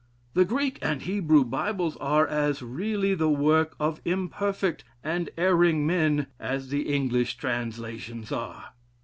The Greek and Hebrew Bibles are as really the work of imperfect and erring men as the English translations are.